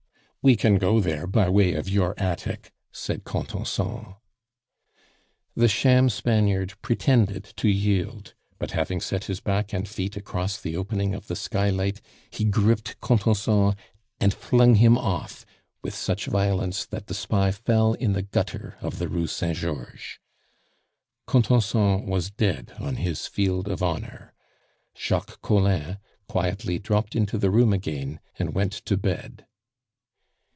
"We can go there by way of your attic," said Contenson. The sham Spaniard pretended to yield; but, having set his back and feet across the opening of the skylight, he gripped Contenson and flung him off with such violence that the spy fell in the gutter of the Rue Saint Georges. Contenson was dead on his field of honor; Jacques Collin quietly dropped into the room again and went to bed.